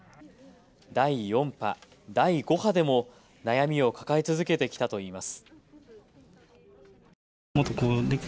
第４波、第５波でも悩みを抱え続けてきたといいます。